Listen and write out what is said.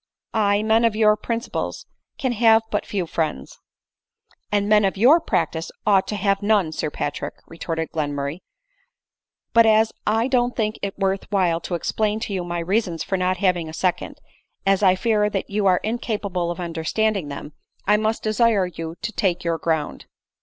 Aye, men of your principles can have but few friends." " And men of your practice ought to have none, Sir Patrick," retorted Glenmurray ;" but as I don't think it worth while to explain to you my reasons for not having a second, as I fear that you are incapable of under standing them, I must desire you to take your ground."